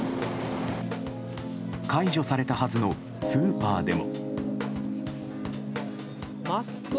解除されたはずのスーパーでも。